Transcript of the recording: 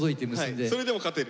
それでも勝てる？